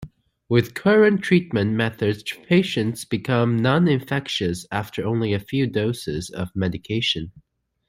With current treatment methods patients become noninfectious after only a few doses of medication.